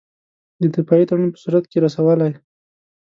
د دفاعي تړون په صورت کې رسولای.